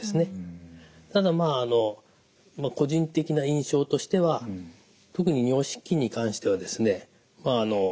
ただまああの個人的な印象としては特に尿失禁に関してはですね